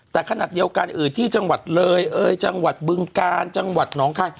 แต่ขนาดเดียวกันอื่นที่จังหวัดแลยจังหวัดบึงกาลจังหวัดน้องไค